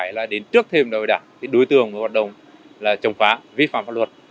cũng phải là đến trước thêm đại hội đảng đối tượng hoạt động là chống phá vi phạm pháp luật